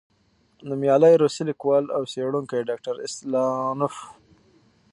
نومیالی روسی لیکوال او څېړونکی، ډاکټر اسلانوف،